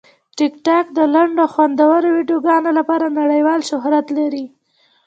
ټیکټاک د لنډو او خوندورو ویډیوګانو لپاره نړیوال شهرت لري.